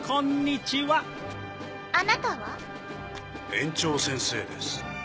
園長先生です。